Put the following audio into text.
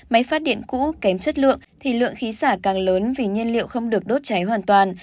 máy phát điện cũ kém chất lượng thì lượng khí xả càng lớn vì nhiên liệu không được đốt cháy hoàn toàn